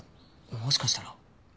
もしかしたら。